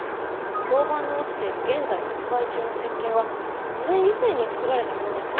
評判の落ちている現在発売中の石鹸はこれ以前に作られたものですね。